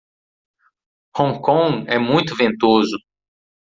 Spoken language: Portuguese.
Hong Kong é muito ventoso